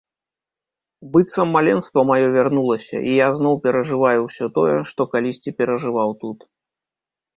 Быццам маленства маё вярнулася, і я зноў перажываю ўсё тое, што калісьці перажываў тут.